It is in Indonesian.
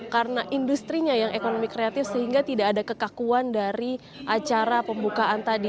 karena industri ekonomi kreatif sehingga tidak ada kekakuan dari acara pembukaan tadi